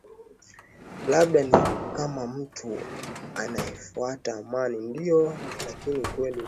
labda ni kama mtu anaetafuta amani ndio lakini ukweli ni kwamba